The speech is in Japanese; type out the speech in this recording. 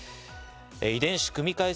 遺伝子組み換え